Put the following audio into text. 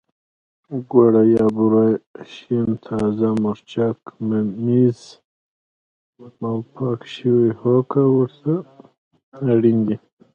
ګوړه یا بوره، شین تازه مرچک، ممیز او پاکه شوې هوګه ورته اړین دي.